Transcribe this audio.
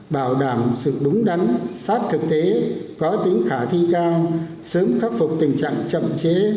bảo đảm sự đúng đắn sát thực tế có tính khả thi cao sớm khắc phục tình trạng chậm chế